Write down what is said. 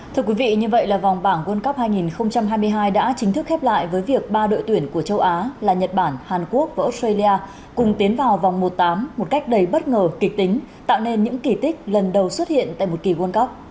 thưa quý vị như vậy là vòng bảng world cup hai nghìn hai mươi hai đã chính thức khép lại với việc ba đội tuyển của châu á là nhật bản hàn quốc và australia cùng tiến vào vòng một tám một cách đầy bất ngờ kịch tính tạo nên những kỳ tích lần đầu xuất hiện tại một kỳ world cup